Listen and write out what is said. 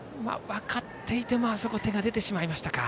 分かっていても手が出てしまいましたか。